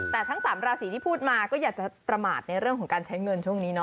แต่ทั้ง๓ราศีที่พูดมาก็อยากจะประมาทในเรื่องของการใช้เงินช่วงนี้เนาะ